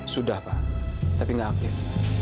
sudah pak tapi nggak aktif